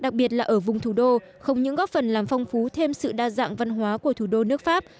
cùng thủ đô không những góp phần làm phong phú thêm sự đa dạng văn hóa của thủ đô nước pháp